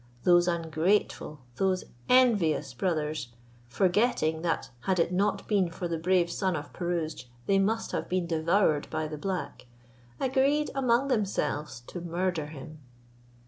Those ungrateful, those envious brothers, forgetting that had it not been for the brave son of Pirouzč they must have been devoured by the black, agreed among themselves to murder him.